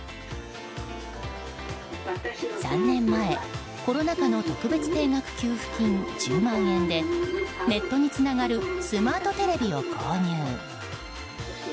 ３年前、コロナ禍の特別定額給付金１０万円でネットにつながるスマートテレビを購入。